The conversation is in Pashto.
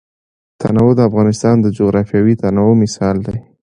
تنوع د افغانستان د جغرافیوي تنوع مثال دی.